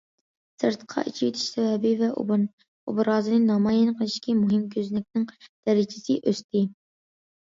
سىرتقا ئېچىۋېتىش سەۋىيەسى ۋە ئوبرازىنى نامايان قىلىشتىكى مۇھىم كۆزنەكنىڭ دەرىجىسى ئۆستى.